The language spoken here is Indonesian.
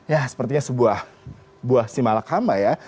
ya sepertinya sebuah buah simalakamba ya